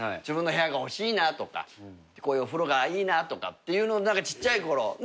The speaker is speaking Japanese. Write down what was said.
自分の部屋が欲しいなとかこういうお風呂がいいなとかっていうのをちっちゃいころ。